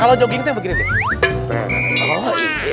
kalau jogging itu yang begini